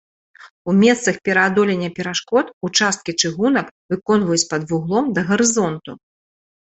У месцах пераадолення перашкод участкі чыгунак выконваюць пад вуглом да гарызонту.